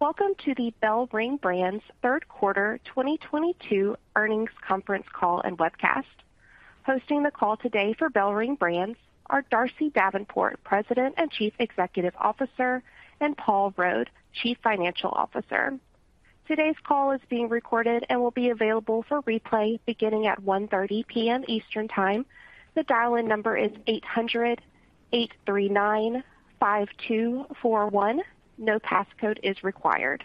Welcome to the BellRing Brands Third Quarter 2022 Earnings Conference Call and webcast. Hosting the call today for BellRing Brands are Darcy Davenport, President and Chief Executive Officer, and Paul Rode, Chief Financial Officer. Today's call is being recorded and will be available for replay beginning at 1:30 P.M. Eastern Time. The dial-in number is 800-839-5241. No passcode is required.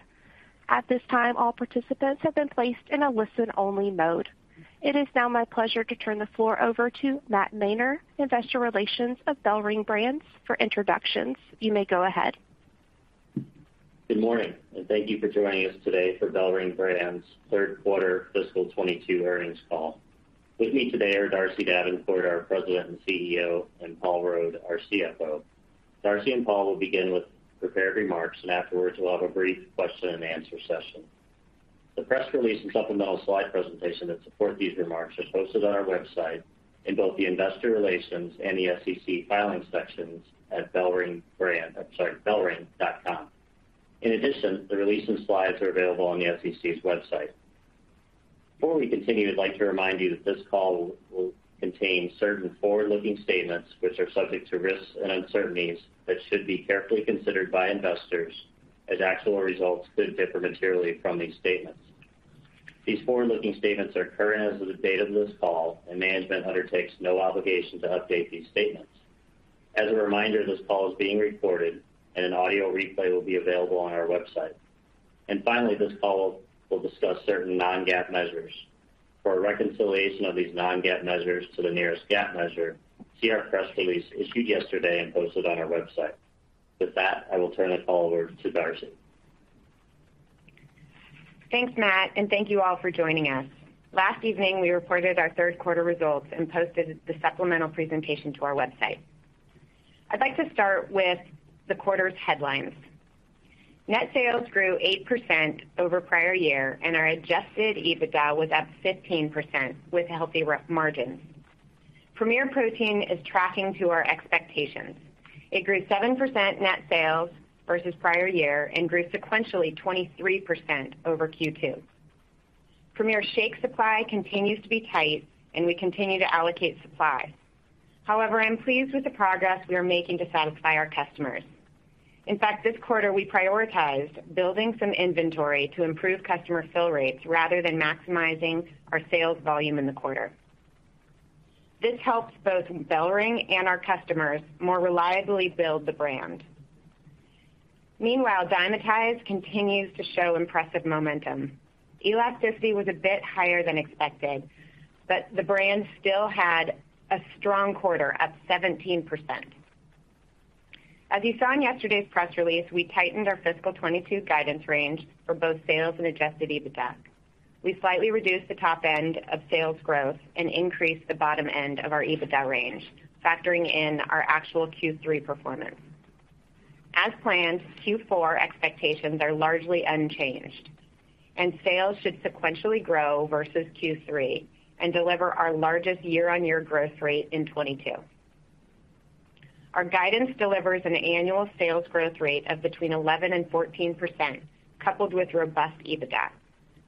At this time, all participants have been placed in a listen-only mode. It is now my pleasure to turn the floor over to Matt Mainer, Investor Relations of BellRing Brands for introductions. You may go ahead. Good morning, and thank you for joining us today for BellRing Brands' third quarter fiscal 2022 earnings call. With me today are Darcy Davenport, our President and CEO, and Paul Rode, our CFO. Darcy and Paul will begin with prepared remarks, and afterwards, we'll have a brief question-and-answer session. The press release and supplemental slide presentation that support these remarks are posted on our website in both the Investor Relations and the SEC Filings sections at bellring.com. In addition, the release and slides are available on the SEC's website. Before we continue, I'd like to remind you that this call will contain certain forward-looking statements which are subject to risks and uncertainties that should be carefully considered by investors, as actual results could differ materially from these statements. These forward-looking statements are current as of the date of this call, and management undertakes no obligation to update these statements. As a reminder, this call is being recorded and an audio replay will be available on our website. Finally, this call will discuss certain non-GAAP measures. For a reconciliation of these non-GAAP measures to the nearest GAAP measure, see our press release issued yesterday and posted on our website. With that, I will turn this call over to Darcy. Thanks, Matt, and thank you all for joining us. Last evening, we reported our third quarter results and posted the supplemental presentation to our website. I'd like to start with the quarter's headlines. Net sales grew 8% over prior year, and our Adjusted EBITDA was up 15% with healthy re-margins. Premier Protein is tracking to our expectations. It grew 7% net sales versus prior year and grew sequentially 23% over Q2. Premier shake supply continues to be tight, and we continue to allocate supply. However, I'm pleased with the progress we are making to satisfy our customers. In fact, this quarter, we prioritized building some inventory to improve customer fill rates rather than maximizing our sales volume in the quarter. This helps both BellRing and our customers more reliably build the brand. Meanwhile, Dymatize continues to show impressive momentum. Elasticity was a bit higher than expected, but the brand still had a strong quarter, up 17%. As you saw in yesterday's press release, we tightened our fiscal 2022 guidance range for both sales and Adjusted EBITDA. We slightly reduced the top end of sales growth and increased the bottom end of our EBITDA range, factoring in our actual Q3 performance. As planned, Q4 expectations are largely unchanged, and sales should sequentially grow versus Q3 and deliver our largest year-on-year growth rate in 2022. Our guidance delivers an annual sales growth rate of between 11% and 14%, coupled with robust EBITDA,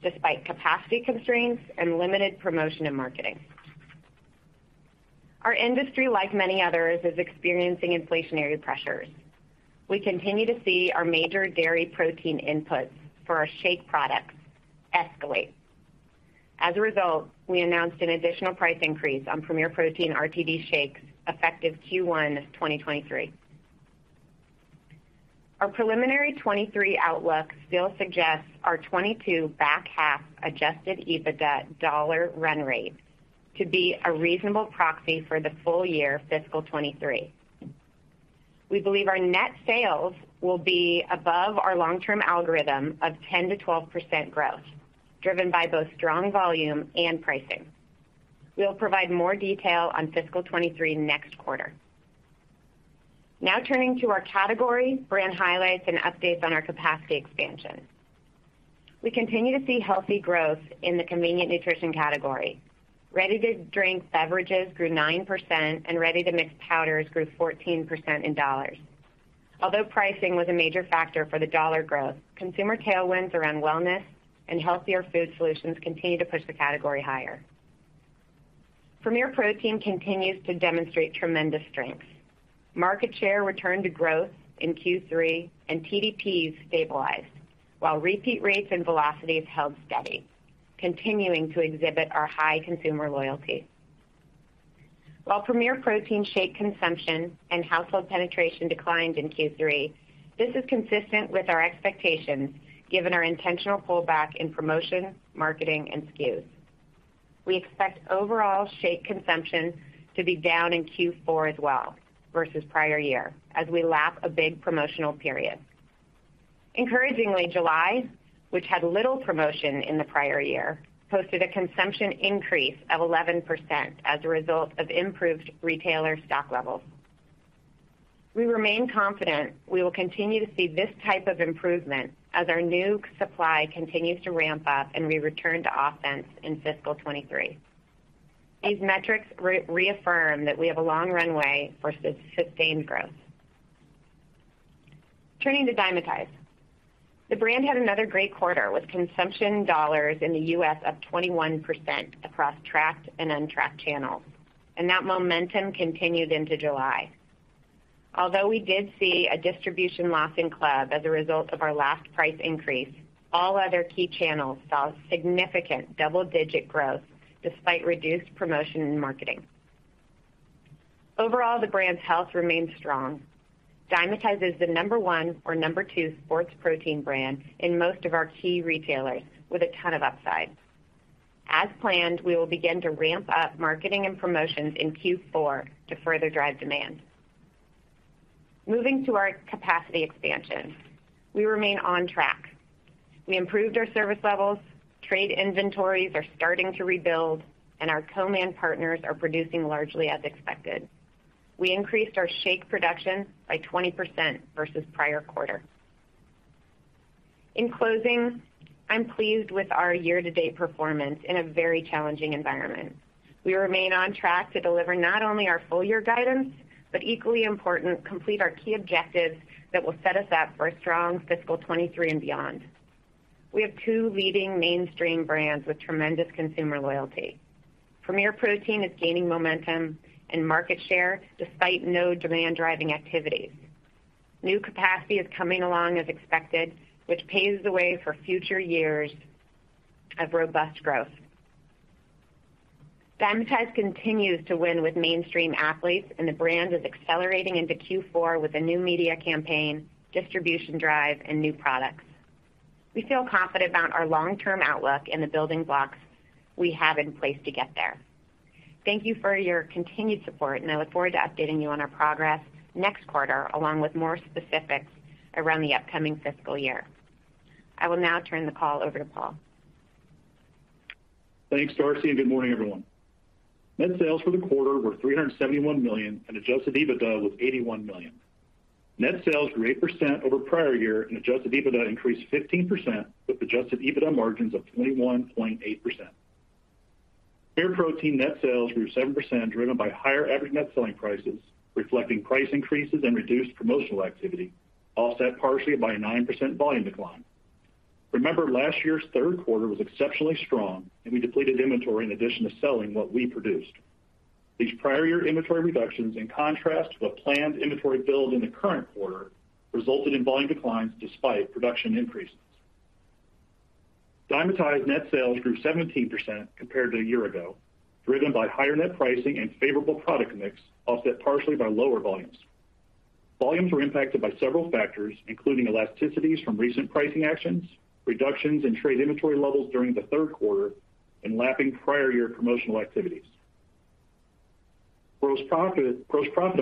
despite capacity constraints and limited promotion and marketing. Our industry, like many others, is experiencing inflationary pressures. We continue to see our major dairy protein inputs for our shake products escalate. As a result, we announced an additional price increase on Premier Protein RTD shakes effective Q1 2023. Our preliminary 2023 outlook still suggests our 2022 back-half Adjusted EBITDA dollar run rate to be a reasonable proxy for the full year fiscal 2023. We believe our net sales will be above our long-term algorithm of 10%-12% growth, driven by both strong volume and pricing. We'll provide more detail on fiscal 2023 next quarter. Now turning to our category, brand highlights, and updates on our capacity expansion. We continue to see healthy growth in the convenient nutrition category. Ready-to-drink beverages grew 9%, and ready-to-mix powders grew 14% in dollars. Although pricing was a major factor for the dollar growth, consumer tailwinds around wellness and healthier food solutions continue to push the category higher. Premier Protein continues to demonstrate tremendous strength. Market share returned to growth in Q3, and TDPs stabilized, while repeat rates and velocities held steady, continuing to exhibit our high consumer loyalty. While Premier Protein shake consumption and household penetration declined in Q3, this is consistent with our expectations given our intentional pullback in promotion, marketing, and SKUs. We expect overall shake consumption to be down in Q4 as well versus prior year as we lap a big promotional period. Encouragingly, July, which had little promotion in the prior year, posted a consumption increase of 11% as a result of improved retailer stock levels. We remain confident we will continue to see this type of improvement as our new supply continues to ramp up and we return to offense in fiscal 2023. These metrics reaffirm that we have a long runway for sustained growth. Turning to Dymatize. The brand had another great quarter with consumption dollars in the U.S. up 21% across tracked and untracked channels, and that momentum continued into July. Although we did see a distribution loss in club as a result of our last price increase, all other key channels saw significant double-digit growth despite reduced promotion and marketing. Overall, the brand's health remains strong. Dymatize is the number one or number two sports protein brand in most of our key retailers with a ton of upside. As planned, we will begin to ramp up marketing and promotions in Q4 to further drive demand. Moving to our capacity expansion. We remain on track. We improved our service levels, trade inventories are starting to rebuild, and our co-man partners are producing largely as expected. We increased our shake production by 20% versus prior quarter. In closing, I'm pleased with our year-to-date performance in a very challenging environment. We remain on track to deliver not only our full-year guidance, but equally important, complete our key objectives that will set us up for a strong fiscal 2023 and beyond. We have two leading mainstream brands with tremendous consumer loyalty. Premier Protein is gaining momentum and market share despite no demand-driving activities. New capacity is coming along as expected, which paves the way for future years of robust growth. Dymatize continues to win with mainstream athletes, and the brand is accelerating into Q4 with a new media campaign, distribution drive, and new products. We feel confident about our long-term outlook and the building blocks we have in place to get there. Thank you for your continued support, and I look forward to updating you on our progress next quarter, along with more specifics around the upcoming fiscal year. I will now turn the call over to Paul. Thanks, Darcy, and good morning, everyone. Net sales for the quarter were $371 million, and Adjusted EBITDA was $81 million. Net sales grew 8% over prior year, and Adjusted EBITDA increased 15% with Adjusted EBITDA margins of 21.8%. Premier Protein net sales grew 7%, driven by higher average net selling prices, reflecting price increases and reduced promotional activity, offset partially by a 9% volume decline. Remember, last year's third quarter was exceptionally strong, and we depleted inventory in addition to selling what we produced. These prior year inventory reductions, in contrast to a planned inventory build in the current quarter, resulted in volume declines despite production increases. Dymatize net sales grew 17% compared to a year ago, driven by higher net pricing and favorable product mix, offset partially by lower volumes. Volumes were impacted by several factors, including elasticities from recent pricing actions, reductions in trade inventory levels during the third quarter, and lapping prior year promotional activities. Gross profit of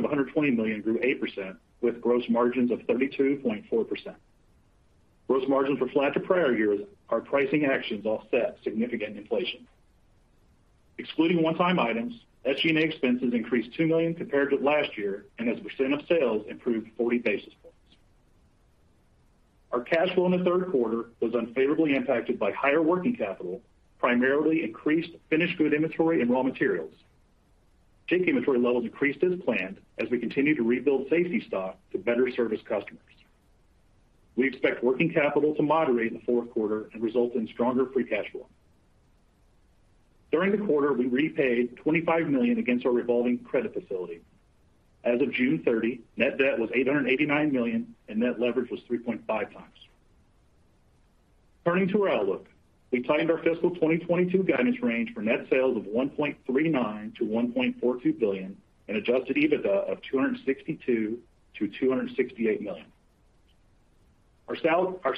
$120 million grew 8% with gross margins of 32.4%. Gross margins were flat to prior years. Our pricing actions offset significant inflation. Excluding one-time items, SG&A expenses increased $2 million compared to last year and as a percent of sales improved 40 basis points. Our cash flow in the third quarter was unfavorably impacted by higher working capital, primarily increased finished good inventory and raw materials. Shake inventory levels increased as planned as we continue to rebuild safety stock to better service customers. We expect working capital to moderate in the fourth quarter and result in stronger free cash flow. During the quarter, we repaid $25 million against our revolving credit facility. As of June 30, net debt was $889 million, and net leverage was 3.5 times. Turning to our outlook. We tightened our fiscal 2022 guidance range for net sales of $1.39-$1.42 billion and Adjusted EBITDA of $262-$268 million. Our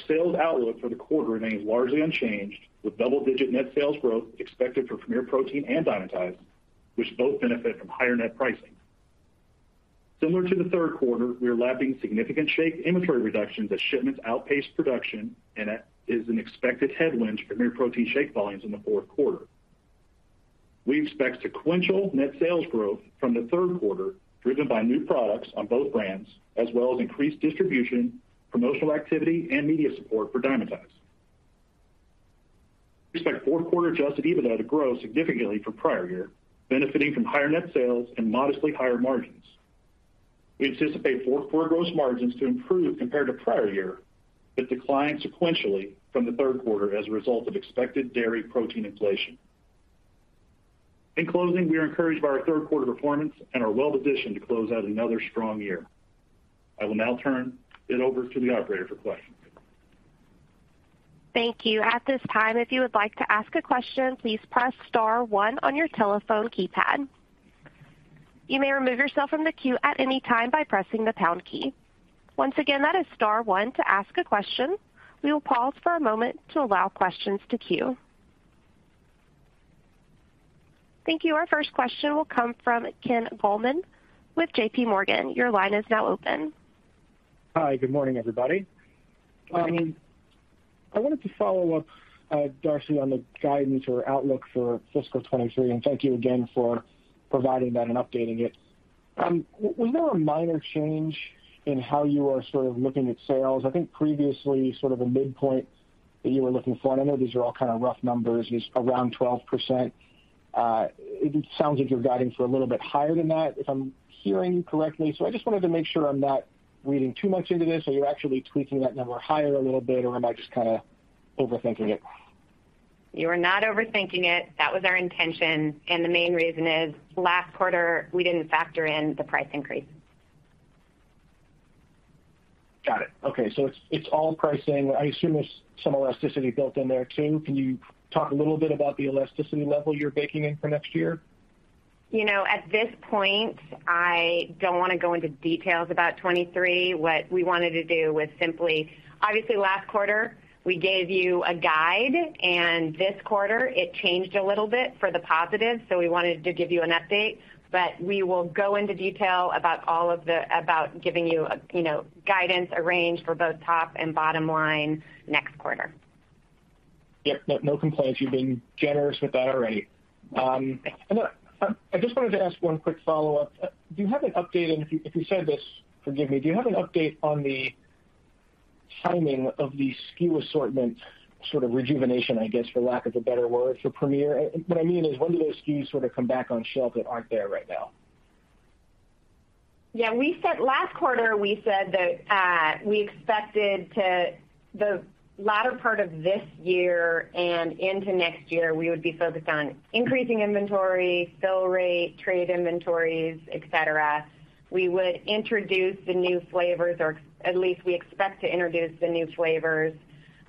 sales outlook for the quarter remains largely unchanged, with double-digit net sales growth expected for Premier Protein and Dymatize, which both benefit from higher net pricing. Similar to the third quarter, we are lapping significant shake inventory reductions as shipments outpace production and that is an expected headwind for Premier Protein shake volumes in the fourth quarter. We expect sequential net sales growth from the third quarter, driven by new products on both brands, as well as increased distribution, promotional activity, and media support for Dymatize. We expect fourth quarter Adjusted EBITDA to grow significantly for prior year, benefiting from higher net sales and modestly higher margins. We anticipate fourth quarter gross margins to improve compared to prior year, but decline sequentially from the third quarter as a result of expected dairy protein inflation. In closing, we are encouraged by our third quarter performance and are well-positioned to close out another strong year. I will now turn it over to the operator for questions. Thank you. At this time, if you would like to ask a question, please press star one on your telephone keypad. You may remove yourself from the queue at any time by pressing the pound key. Once again, that is star one to ask a question. We will pause for a moment to allow questions to queue. Thank you. Our first question will come from Ken Goldman with JPMorgan. Your line is now open. Hi, good morning, everybody. I wanted to follow up, Darcy, on the guidance or outlook for fiscal 2023, and thank you again for providing that and updating it. Was there a minor change in how you are sort of looking at sales? I think previously sort of a midpoint that you were looking for, and I know these are all kind of rough numbers, is around 12%. It sounds like you're guiding for a little bit higher than that, if I'm hearing you correctly. I just wanted to make sure I'm not reading too much into this or you're actually tweaking that number higher a little bit, or am I just kinda overthinking it? You are not overthinking it. That was our intention. The main reason is last quarter, we didn't factor in the price increases. Got it. Okay. It's all pricing. I assume there's some elasticity built in there too. Can you talk a little bit about the elasticity level you're baking in for next year? You know, at this point, I don't wanna go into details about 23. What we wanted to do was simply, obviously last quarter, we gave you a guide, and this quarter it changed a little bit for the positive, so we wanted to give you an update. We will go into detail about giving you know, guidance, a range for both top and bottom line next quarter. Yep. No, no complaints. You've been generous with that already. I just wanted to ask one quick follow-up. Do you have an update, and if you said this, forgive me. Do you have an update on the timing of the SKU assortment sort of rejuvenation, I guess, for lack of a better word, for Premier? What I mean is when do those SKUs sort of come back on shelf that aren't there right now? Yeah, last quarter, we said that we expected the latter part of this year and into next year, we would be focused on increasing inventory, fill rate, trade inventories, et cetera. We would introduce the new flavors, or at least we expect to introduce the new flavors,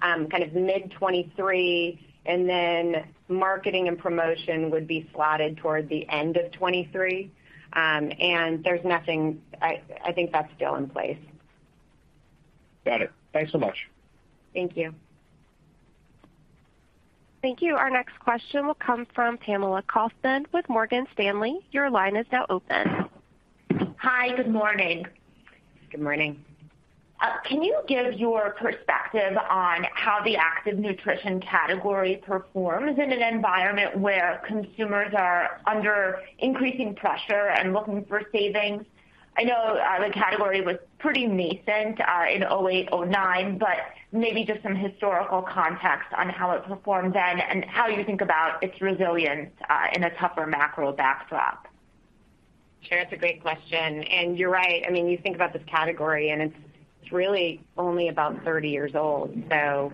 kind of mid-2023, and then marketing and promotion would be slotted toward the end of 2023. There's nothing. I think that's still in place. Got it. Thanks so much. Thank you. Thank you. Our next question will come from Kaumil Gajrawala with Morgan Stanley. Your line is now open. Hi. Good morning. Good morning. Can you give your perspective on how the active nutrition category performs in an environment where consumers are under increasing pressure and looking for savings? I know, the category was pretty nascent, in 2008, 2009, but maybe just some historical context on how it performed then and how you think about its resilience, in a tougher macro backdrop. Sure. That's a great question. You're right. I mean, you think about this category, and it's really only about 30 years old, so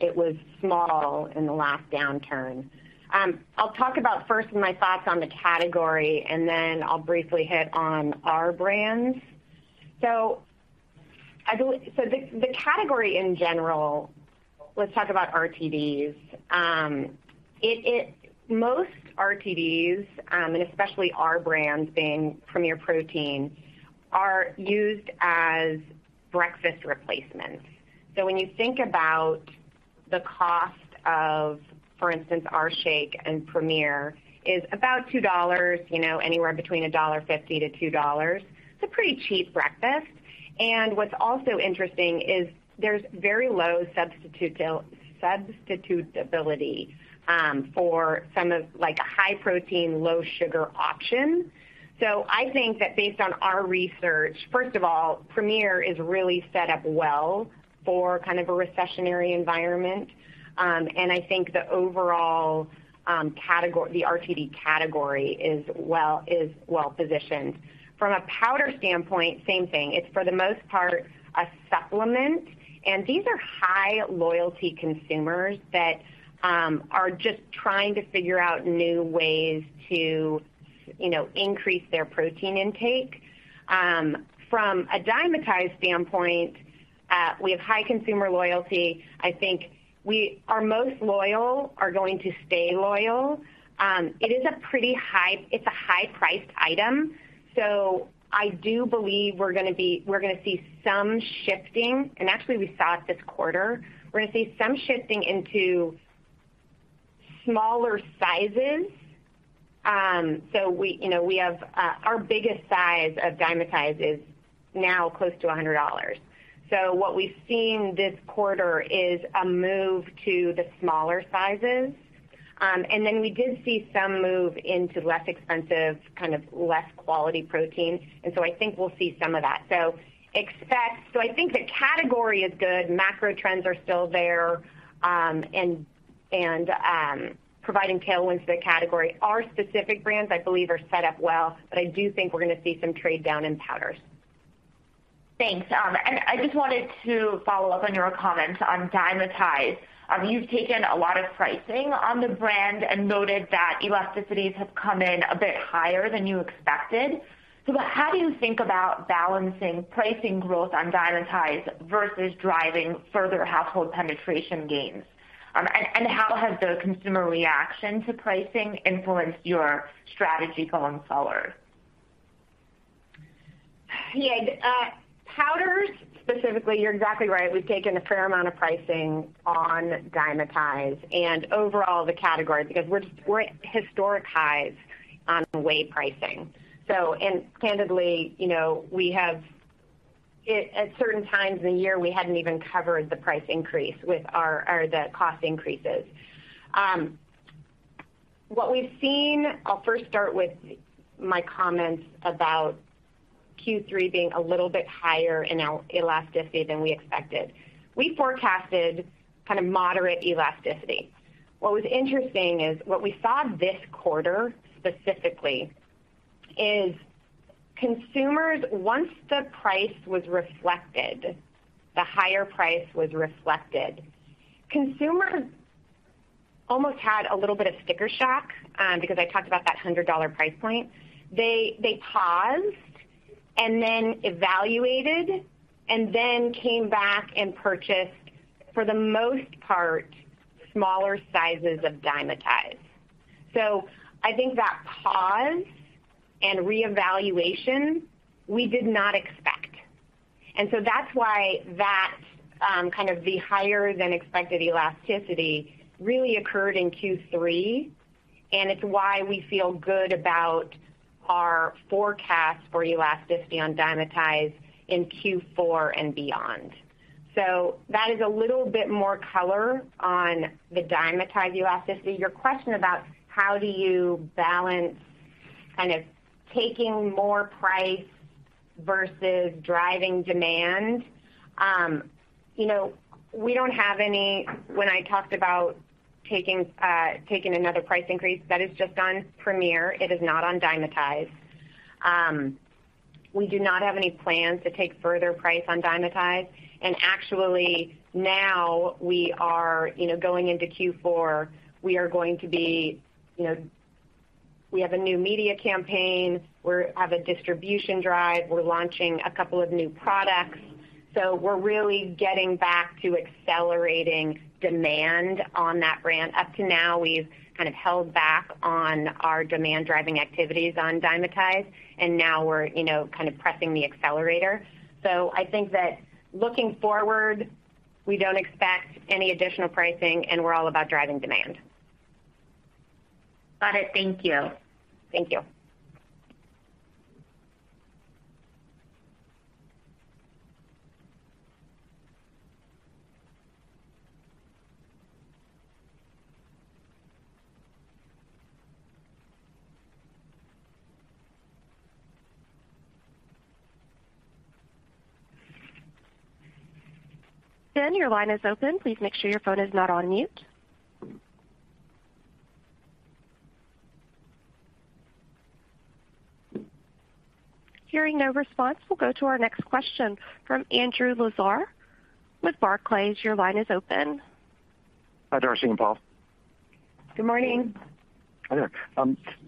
it was small in the last downturn. I'll talk about first my thoughts on the category, and then I'll briefly hit on our brands. The category in general, let's talk about RTDs. Most RTDs, and especially our brands being Premier Protein, are used as breakfast replacements. When you think about the cost of, for instance, our shake and Premier is about $2, you know, anywhere between $1.50-$2. It's a pretty cheap breakfast. What's also interesting is there's very low substitutability for something like a high protein, low sugar option. I think that based on our research, first of all, Premier is really set up well for kind of a recessionary environment. I think the overall category, the RTD category, is well positioned. From a powder standpoint, same thing. It's for the most part a supplement, and these are high loyalty consumers that are just trying to figure out new ways to, you know, increase their protein intake. From a Dymatize standpoint, we have high consumer loyalty. I think our most loyal are going to stay loyal. It's a high-priced item, so I do believe we're gonna see some shifting. Actually we saw it this quarter. We're gonna see some shifting into smaller sizes. We, you know, we have our biggest size of Dymatize is now close to $100. What we've seen this quarter is a move to the smaller sizes. Then we did see some move into less expensive, kind of less quality protein. I think we'll see some of that. I think the category is good. Macro trends are still there, providing tailwinds to the category. Our specific brands, I believe, are set up well, but I do think we're gonna see some trade down in powders. Thanks. I just wanted to follow up on your comments on Dymatize. You've taken a lot of pricing on the brand and noted that elasticities have come in a bit higher than you expected. How do you think about balancing pricing growth on Dymatize versus driving further household penetration gains? And how has the consumer reaction to pricing influenced your strategy going forward? Yeah. Powders specifically, you're exactly right. We've taken a fair amount of pricing on Dymatize and overall the category because we're at historic highs on whey pricing. Candidly, you know, we have at certain times in the year, we hadn't even covered the price increase or the cost increases. What we've seen, I'll first start with my comments about Q3 being a little bit higher in our elasticity than we expected. We forecasted kind of moderate elasticity. What was interesting is what we saw this quarter specifically is consumers, once the higher price was reflected, almost had a little bit of sticker shock, because I talked about that $100 price point. They paused and then evaluated, and then came back and purchased, for the most part, smaller sizes of Dymatize. I think that pause and reevaluation we did not expect. That's why that kind of the higher-than-expected elasticity really occurred in Q3, and it's why we feel good about our forecast for elasticity on Dymatize in Q4 and beyond. That is a little bit more color on the Dymatize elasticity. Your question about how do you balance kind of taking more price versus driving demand. You know, we don't have any. When I talked about taking another price increase, that is just on Premier. It is not on Dymatize. We do not have any plans to take further price on Dymatize. Actually, now we are you know going into Q4, we are going to be you know. We have a new media campaign. We have a distribution drive. We're launching a couple of new products. We're really getting back to accelerating demand on that brand. Up to now, we've kind of held back on our demand-driving activities on Dymatize, and now we're, you know, kind of pressing the accelerator. I think that looking forward, we don't expect any additional pricing, and we're all about driving demand. Got it. Thank you. Thank you. Ben, your line is open. Please make sure your phone is not on mute. Hearing no response, we'll go to our next question from Andrew Lazar with Barclays. Your line is open. Hi, Darcy and Paul. Good morning. Hi there.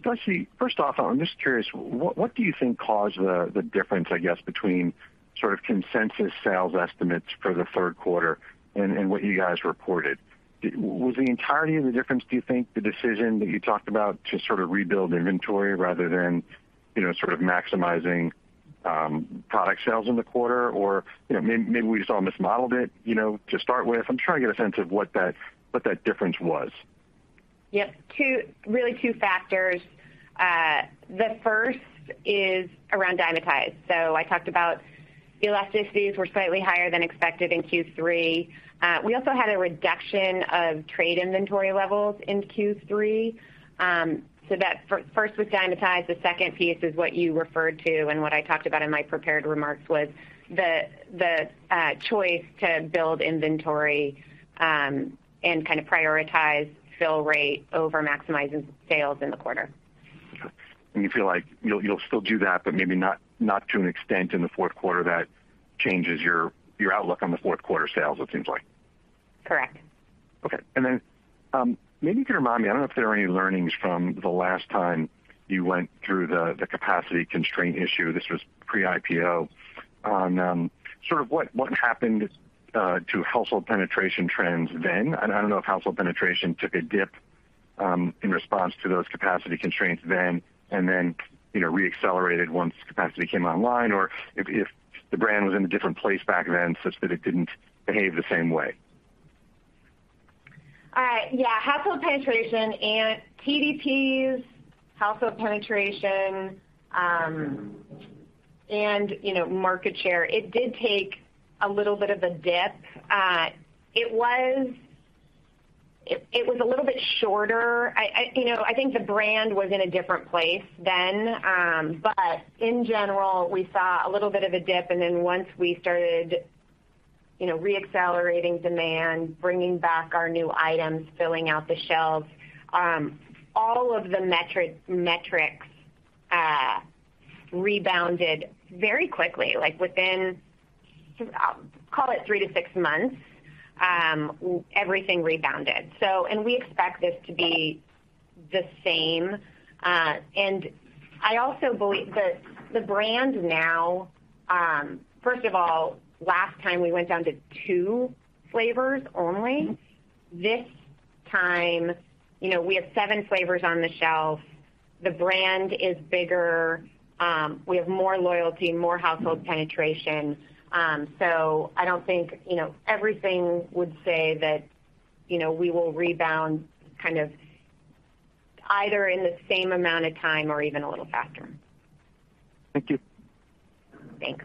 Darcy, first off, I'm just curious, what do you think caused the difference, I guess, between sort of consensus sales estimates for the third quarter and what you guys reported? Was the entirety of the difference, do you think, the decision that you talked about to sort of rebuild inventory rather than, you know, sort of maximizing product sales in the quarter? Or, you know, maybe we just all mismodeled it, you know, to start with. I'm trying to get a sense of what that difference was. Yep. Really two factors. The first is around Dymatize. I talked about elasticities were slightly higher than expected in Q3. We also had a reduction of trade inventory levels in Q3. That first was Dymatize. The second piece is what you referred to and what I talked about in my prepared remarks was the choice to build inventory and kind of prioritize fill rate over maximizing sales in the quarter. You feel like you'll still do that, but maybe not to an extent in the fourth quarter that changes your outlook on the fourth quarter sales, it seems like. Correct. Okay. Maybe you can remind me. I don't know if there are any learnings from the last time you went through the capacity constraint issue. This was pre-IPO. On sort of what happened to household penetration trends then? I don't know if household penetration took a dip in response to those capacity constraints then and you know, re-accelerated once capacity came online or if the brand was in a different place back then such that it didn't behave the same way. All right. Yeah, household penetration and PDPs, household penetration, and you know, market share, it did take a little bit of a dip. It was a little bit shorter. You know, I think the brand was in a different place then. But in general, we saw a little bit of a dip, and then once we started, you know, re-accelerating demand, bringing back our new items, filling out the shelves, all of the metrics rebounded very quickly, like within, call it three-six months, everything rebounded. We expect this to be the same. I also believe the brand now, first of all, last time we went down to two flavors only. This time, you know, we have seven flavors on the shelf. The brand is bigger. We have more loyalty, more household penetration. I don't think, you know, everything would say that, you know, we will rebound kind of either in the same amount of time or even a little faster. Thank you. Thanks.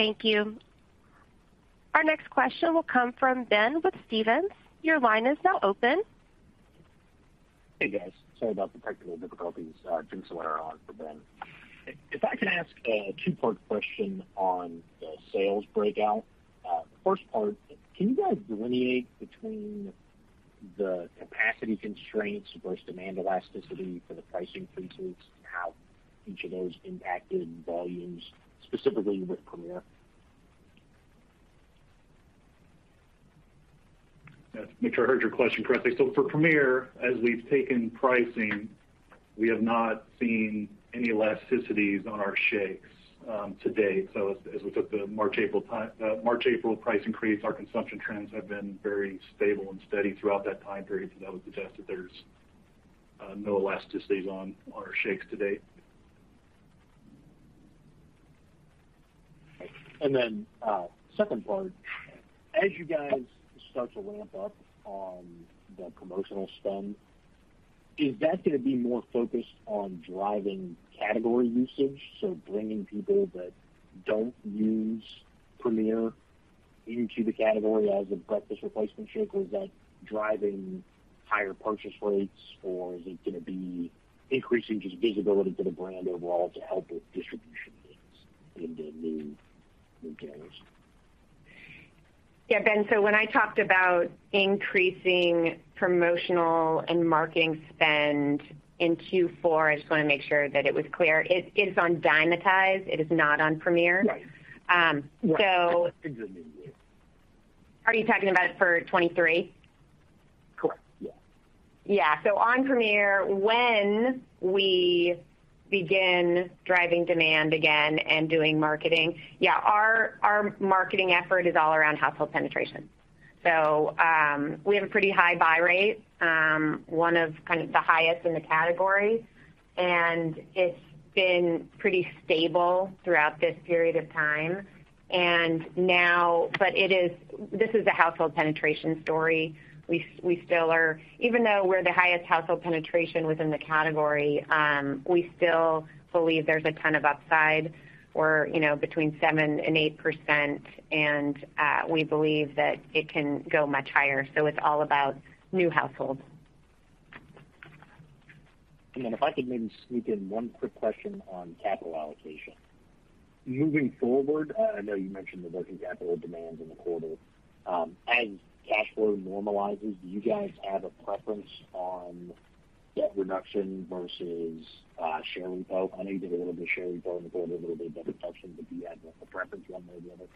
Thank you. Our next question will come from Ben with Stephens. Your line is now open. Hey, guys. Sorry about the technical difficulties. Jim Salera on for Ben Bienvenu. If I could ask a two-part question on the sales breakout. First part, can you guys delineate between the capacity constraints versus demand elasticity for the price increases and how each of those impacted volumes specifically with Premier? Yeah. Make sure I heard your question correctly. For Premier, as we've taken pricing, we have not seen any elasticities on our shakes to date. As we took the March, April price increase, our consumption trends have been very stable and steady throughout that time period. That would suggest that there's no elasticities on our shakes to date. Second part, as you guys start to ramp up on the promotional spend, is that gonna be more focused on driving category usage, so bringing people that don't use Premier into the category as a breakfast replacement shake? Or is that driving higher purchase rates, or is it gonna be increasing just visibility to the brand overall to help with distribution gains in the new channels? Yeah, Ben, when I talked about increasing promotional and marketing spend in Q4, I just wanna make sure that it was clear. It is on Dymatize. It is not on Premier. Right. Are you talking about for 2023? Correct, yeah. Yeah. On Premier, when we begin driving demand again and doing marketing, yeah, our marketing effort is all around household penetration. We have a pretty high buy rate, one of kind of the highest in the category, and it's been pretty stable throughout this period of time. This is a household penetration story. Even though we're the highest household penetration within the category, we still believe there's a ton of upside or, you know, between 7% and 8%, and we believe that it can go much higher. It's all about new households. If I could maybe sneak in one quick question on capital allocation. Moving forward, I know you mentioned there was capital demands in the quarter. As cash flow normalizes, do you guys have a preference on debt reduction versus, share repo? I know you did a little bit of share repo in the quarter, a little bit of debt reduction, but do you have a preference one way or the other?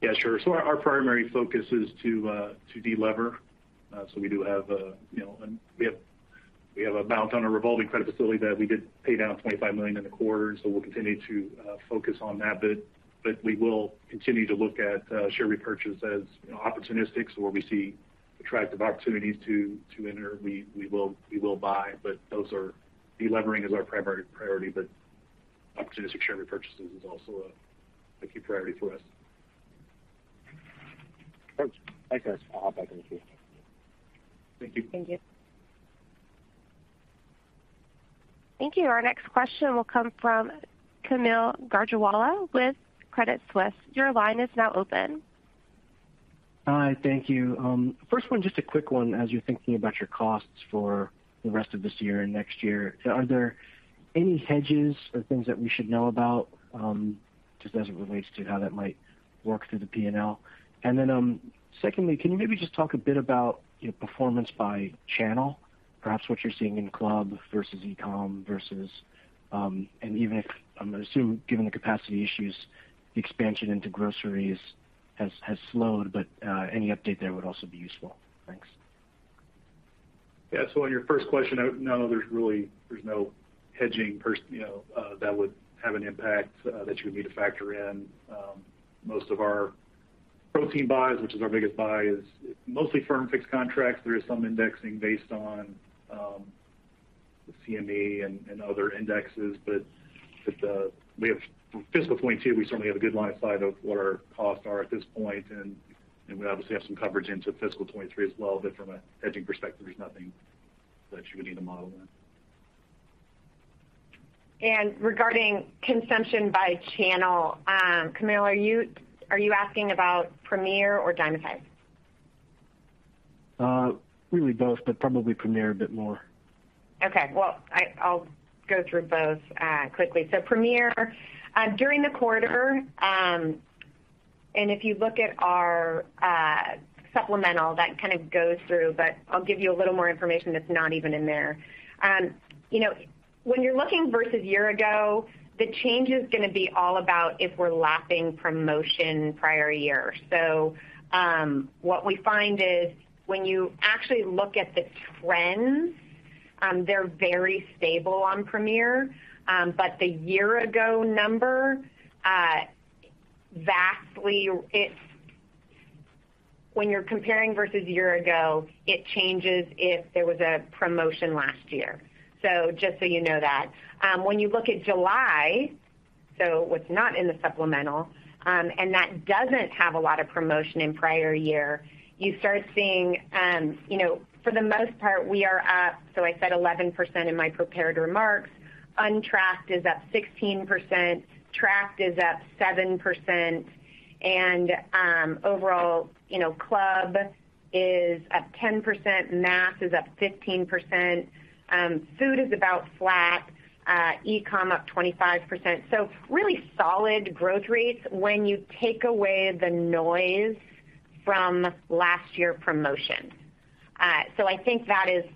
Yeah, sure. Our primary focus is to de-lever. We do have you know we have amount on a revolving credit facility that we did pay down $25 million in the quarter, and we'll continue to focus on that. We will continue to look at share repurchase as you know opportunistic. Where we see attractive opportunities to enter, we will buy. Those are. De-levering is our primary priority, but opportunistic share repurchases is also a key priority for us. Thanks, guys. I'll hop back in the queue. Thank you. Thank you. Thank you. Our next question will come from Kaumil Gajrawala with Credit Suisse. Your line is now open. Hi, thank you. First one, just a quick one as you're thinking about your costs for the rest of this year and next year. Are there any hedges or things that we should know about, just as it relates to how that might work through the P&L? Then, secondly, can you maybe just talk a bit about your performance by channel, perhaps what you're seeing in club versus e-com versus, and even if, I'm gonna assume given the capacity issues, the expansion into groceries has slowed, but any update there would also be useful. Thanks. On your first question, no, there's really no hedging per se, you know, that would have an impact that you would need to factor in. Most of our protein buys, which is our biggest buy, is mostly firm fixed contracts. There is some indexing based on the CME and other indexes. From fiscal 2022, we certainly have a good line of sight of what our costs are at this point, and we obviously have some coverage into fiscal 2023 as well, but from a hedging perspective, there's nothing that you would need to model in. Regarding consumption by channel, Kaumil, are you asking about Premier or Dymatize? Really both, but probably Premier a bit more. Okay. Well, I'll go through both quickly. Premier during the quarter, and if you look at our supplemental that kind of goes through, but I'll give you a little more information that's not even in there. You know, when you're looking versus year ago, the change is gonna be all about if we're lapping promotion prior year. What we find is when you actually look at the trends, they're very stable on Premier. But the year ago number, when you're comparing versus year ago, it changes if there was a promotion last year. Just so you know that. When you look at July. So what's not in the supplemental, and that doesn't have a lot of promotion in prior year, you start seeing, you know, for the most part, we are up, so I said 11% in my prepared remarks. Untracked is up 16%, tracked is up 7%. Overall, you know, club is up 10%, mass is up 15%, food is about flat, e-com up 25%. So really solid growth rates when you take away the noise from last year promotion. So I think it's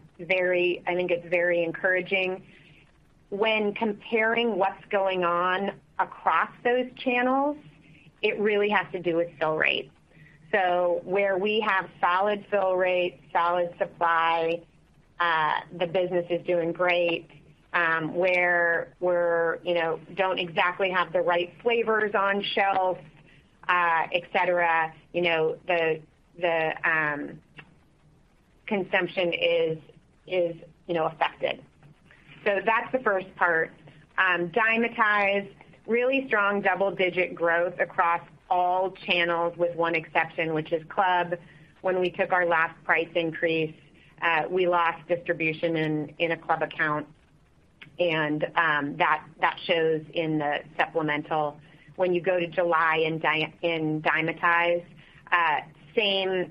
very encouraging. When comparing what's going on across those channels, it really has to do with fill rates. Where we have solid fill rates, solid supply, the business is doing great, where we're, you know, don't exactly have the right flavors on shelf, et cetera, you know, the consumption is, you know, affected. That's the first part. Dymatize, really strong double-digit growth across all channels with one exception, which is club. When we took our last price increase, we lost distribution in a club account, and that shows in the supplemental. When you go to July in Dymatize, same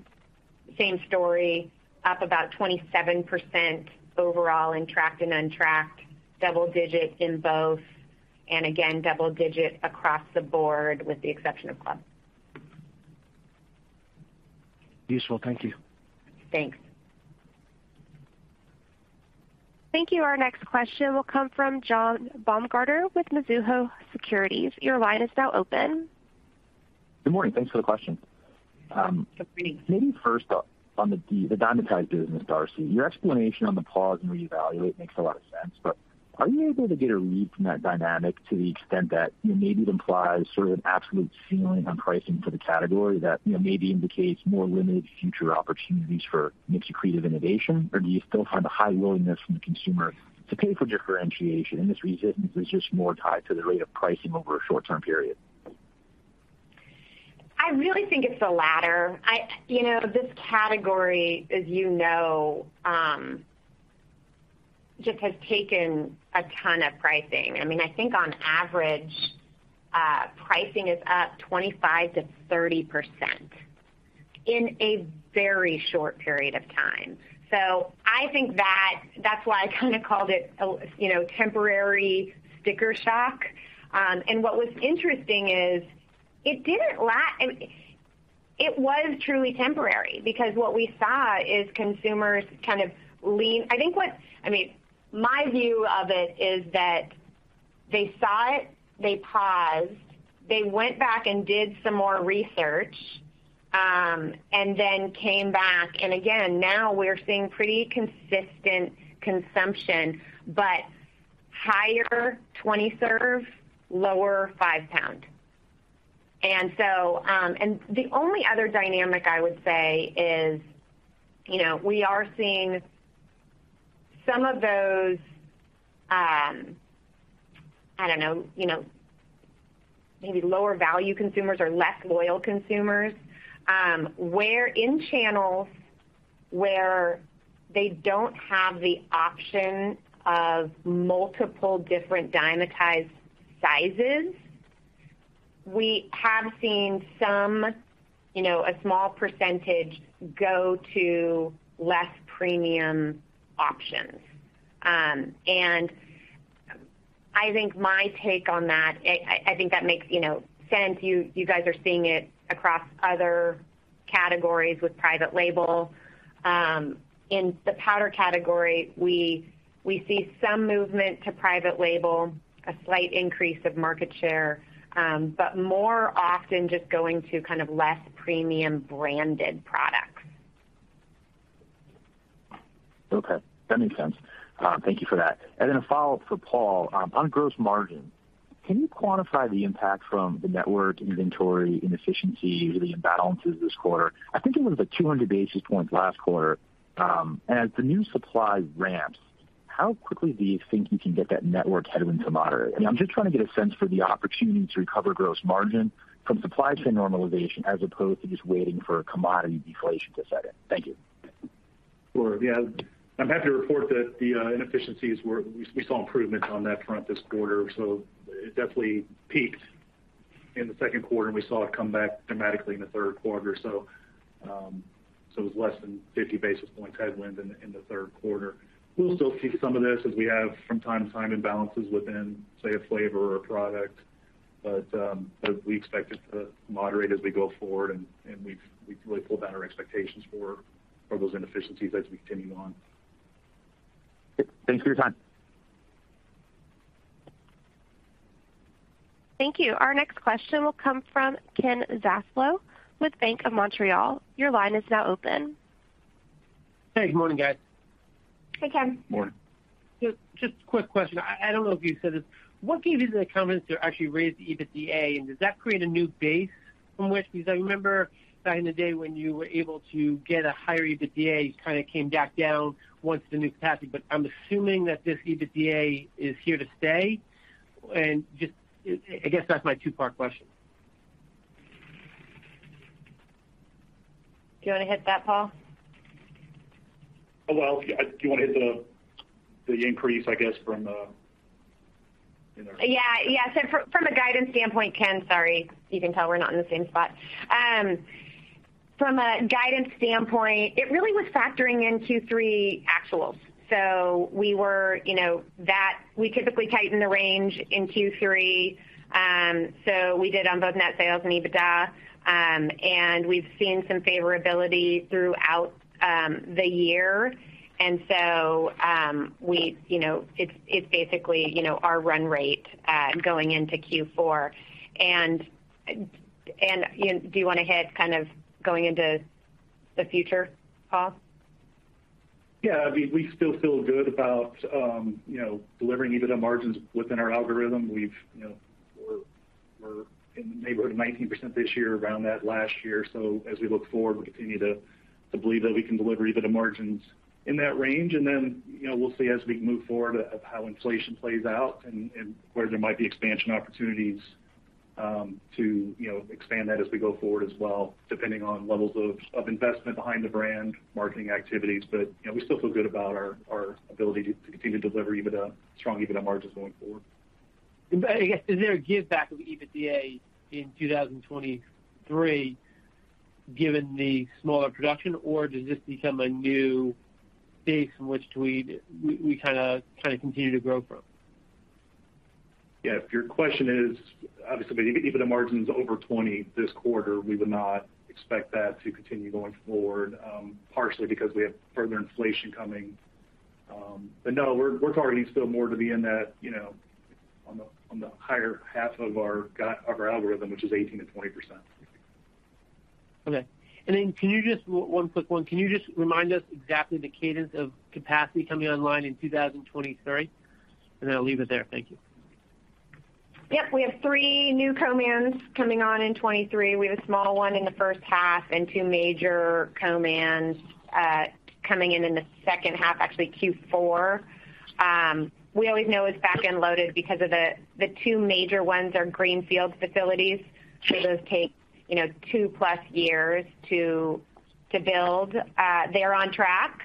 story, up about 27% overall in tracked and untracked, double digit in both, and again, double digit across the board with the exception of club. Useful. Thank you. Thanks. Thank you. Our next question will come from John Baumgartner with Mizuho Securities. Your line is now open. Good morning. Thanks for the question. Good morning. Maybe first up on the Dymatize business, Darcy. Your explanation on the pause and reevaluate makes a lot of sense, but are you able to get a read from that dynamic to the extent that, you know, maybe it implies sort of an absolute ceiling on pricing for the category that, you know, maybe indicates more limited future opportunities for maybe creative innovation? Or do you still find a high willingness from the consumer to pay for differentiation, and this resistance is just more tied to the rate of pricing over a short-term period? I really think it's the latter. You know, this category, as you know, just has taken a ton of pricing. I mean, I think on average, pricing is up 25%-30% in a very short period of time. I think that that's why I kinda called it, you know, temporary sticker shock. What was interesting is it was truly temporary because what we saw is consumers kind of lean, I mean, my view of it is that they saw it, they paused, they went back and did some more research, and then came back. Again, now we're seeing pretty consistent consumption, but higher 20-serve, lower five-pound. The only other dynamic I would say is, you know, we are seeing some of those, I don't know, you know, maybe lower value consumers or less loyal consumers, where in channels where they don't have the option of multiple different Dymatize sizes, we have seen some, you know, a small percentage go to less premium options. I think my take on that. I think that makes, you know, sense. You guys are seeing it across other categories with private label. In the powder category, we see some movement to private label, a slight increase of market share, but more often just going to kind of less premium branded products. Okay, that makes sense. Thank you for that. A follow-up for Paul on gross margin. Can you quantify the impact from the network inventory inefficiencies or the imbalances this quarter? I think it was like 200 basis points last quarter. As the new supply ramps, how quickly do you think you can get that network headwind to moderate? I mean, I'm just trying to get a sense for the opportunity to recover gross margin from supply chain normalization as opposed to just waiting for commodity deflation to set in. Thank you. Sure. Yeah, I'm happy to report that the inefficiencies we saw improvements on that front this quarter, so it definitely peaked in the second quarter, and we saw it come back dramatically in the third quarter. It was less than 50 basis points headwind in the third quarter. We'll still see some of this as we have from time to time imbalances within, say, a flavor or a product. We expect it to moderate as we go forward, and we've really pulled down our expectations for those inefficiencies as we continue on. Thanks for your time. Thank you. Our next question will come from Ken Goldman with Bank of Montreal. Your line is now open. Hey, good morning, guys. Hey, Ken. Morning. Just quick question. I don't know if you said this. What gave you the confidence to actually raise the EBITDA, and does that create a new base from which? Because I remember back in the day when you were able to get a higher EBITDA, you kinda came back down once the new capacity. I'm assuming that this EBITDA is here to stay. Just, I guess that's my two-part question. Do you wanna hit that, Paul? Well, do you wanna hit the increase, I guess, from in there. Yeah. From a guidance standpoint, Ken Goldman, sorry. You can tell we're not in the same spot. From a guidance standpoint, it really was factoring in Q3 actuals. That we typically tighten the range in Q3. We did on both net sales and EBITDA, and we've seen some favorability throughout the year. You know, do you wanna hit kind of going into the future, Paul Rode? Yeah. I mean, we still feel good about, you know, delivering EBITDA margins within our algorithm. We've, you know, we're in the neighborhood of 19% this year, around that last year. As we look forward, we continue to believe that we can deliver EBITDA margins in that range. You know, we'll see as we move forward of how inflation plays out and where there might be expansion opportunities, to, you know, expand that as we go forward as well, depending on levels of investment behind the brand marketing activities. You know, we still feel good about our ability to continue to deliver EBITDA, strong EBITDA margins going forward. I guess, is there a giveback of EBITDA in 2023, given the smaller production, or does this become a new base from which we kinda continue to grow from? Yeah. If your question is, obviously, EBITDA margin's over 20% this quarter, we would not expect that to continue going forward, partially because we have further inflation coming. But no, we're targeting still more to be in that, you know, on the higher half of our algorithm, which is 18%-20%. Okay. Can you just, one quick one. Can you just remind us exactly the cadence of capacity coming online in 2023? I'll leave it there. Thank you. We have three new co-mans coming on in 2023. We have a small one in the first half and two major co-mans coming in in the second half, actually Q4. We always know it's back-end loaded because of the two major ones are greenfield facilities. Sure. Those take, you know, two-plus years to build. They're on track.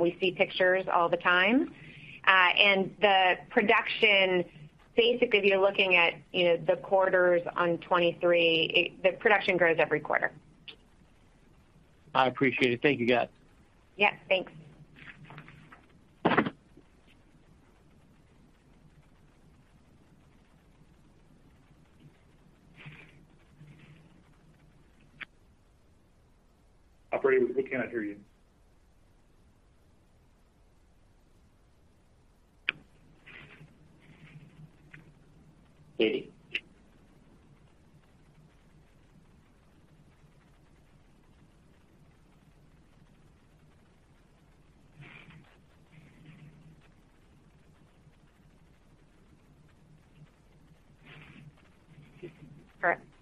We see pictures all the time. The production, basically, if you're looking at, you know, the quarters in 2023, the production grows every quarter. I appreciate it. Thank you, guys. Yeah, thanks. Operator, we cannot hear you. Okay.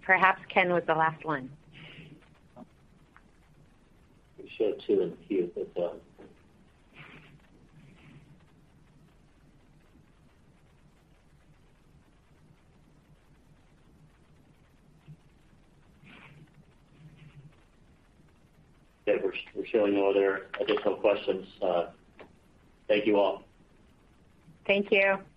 Perhaps Ken was the last one. We show two in queue, but, okay. We're showing no other additional questions. Thank you all. Thank you.